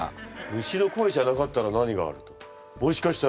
「虫の声」じゃなかったら何があると？